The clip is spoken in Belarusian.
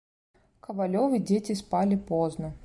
Кавалёвы дзеці спалі позна.